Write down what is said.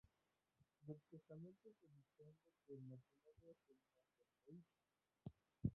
Del testamento se desprende que el matrimonio tenía cuatro hijos.